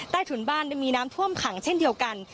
ถุนบ้านได้มีน้ำท่วมขังเช่นเดียวกัน